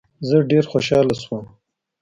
زه ډېر خوشاله شوم.